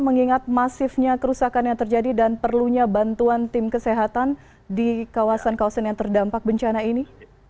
mengingat masifnya kerusakan yang terjadi dan perlunya bantuan tim kesehatan di kawasan kawasan yang terdampak bencana ini